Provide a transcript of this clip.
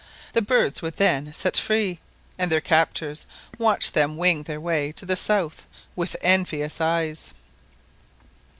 The birds were then set free, and their captors watched them wing their way to the south with envious eyes.